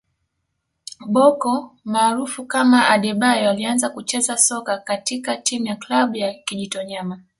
Bocco maarufu kama Adebayor alianza kucheza soka katika timu ya klabu ya Kijitonyama